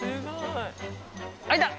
はい。